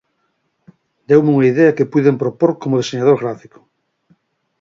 Deume unha idea que puiden propor como deseñador gráfico.